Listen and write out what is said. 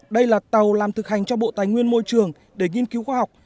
đây là tàu làm thực hành cho bộ tài nguyên môi trường để nghiên cứu khoa học